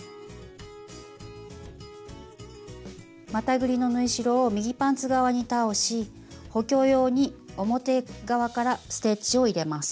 またぐりの縫い代を右パンツ側に倒し補強用に表側からステッチを入れます。